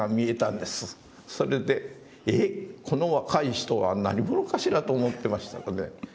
それで「えっ？この若い人は何者かしら」と思ってましたので。